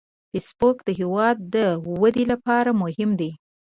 فېسبوک د هیواد د ودې لپاره مهم دی